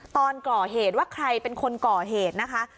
ตอนก่อเหตุว่าใครเป็นคนก่อเหตุนะคะ